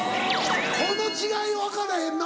この違い分からへんな。